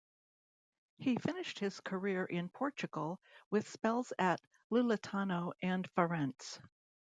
He finished his career in Portugal with spells at Louletano and Farense.